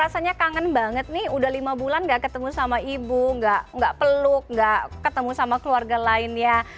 rasanya kangen banget nih udah lima bulan gak ketemu sama ibu nggak peluk gak ketemu sama keluarga lainnya